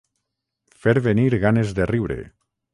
Fer venir ganes de riure.